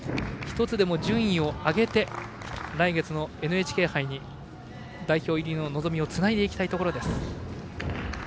１つでも順位を上げて来月のＮＨＫ杯に代表入りの望みをつないでいきたいところです。